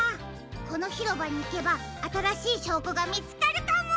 このひろばにいけばあたらしいしょうこがみつかるかも！